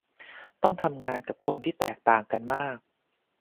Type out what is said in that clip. ต้องทำงานกับคนที่แตกต่างกันมาก